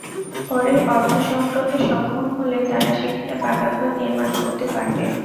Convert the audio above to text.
পরে অর্থসংগ্রহে সক্ষম হলে তারা সেখানে পাকা ঘর নির্মাণ করতে পারবে।